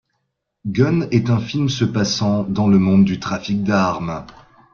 Gun est un film se passant dans le monde du trafic d'armes.